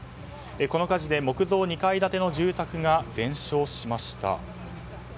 この火事で木造２階建ての住宅が全焼しました。